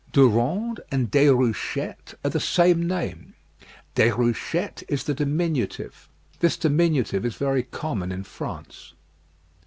Durande and Déruchette are the same name. Déruchette is the diminutive. This diminutive is very common in France.